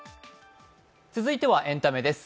続いてはエンタメです。